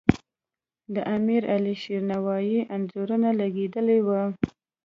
د امیر علیشیر نوایي انځورونه لګیدلي وو.